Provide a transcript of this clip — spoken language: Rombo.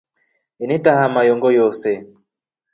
Enetaha mayoongo yoose.